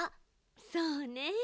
そうね。